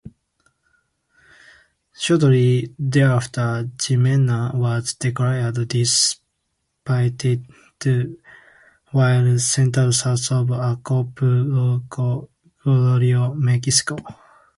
Shortly thereafter, Jimena was declared dissipated while centered south of Acapulco, Guerrero, Mexico.